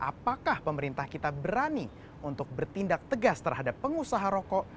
apakah pemerintah kita berani untuk bertindak tegas terhadap pengusaha rokok